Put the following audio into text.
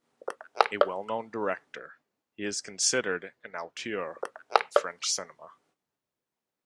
A well-known director, he is considered an "auteur" in French cinema.